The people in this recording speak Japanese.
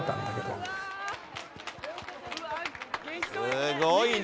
すごいな！